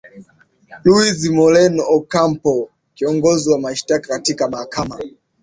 louis moreno ocampo kiongozi wa mashtaka katika mahakama